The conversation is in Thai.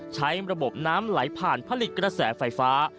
ใช้ระบบน้ำไหลผ่านผลิตกระแสไฟฟ้า